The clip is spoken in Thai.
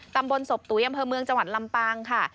ตำบลศพตุ๋ยอำเภอเมืองจังหวัดลำปางค่ะ